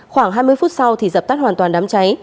khoảng hai mươi phút sau thì dập tắt hoàn toàn đám cháy